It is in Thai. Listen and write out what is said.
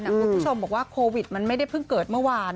คุณผู้ชมบอกว่าโควิดมันไม่ได้เพิ่งเกิดเมื่อวาน